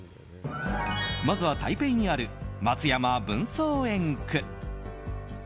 まずは台北にある松山文創園区。